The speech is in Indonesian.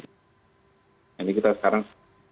ini kita sekarang